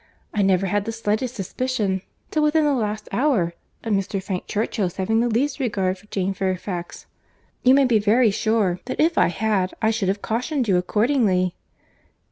—I never had the slightest suspicion, till within the last hour, of Mr. Frank Churchill's having the least regard for Jane Fairfax. You may be very sure that if I had, I should have cautioned you accordingly."